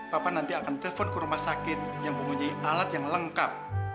papan nanti akan telpon ke rumah sakit yang mempunyai alat yang lengkap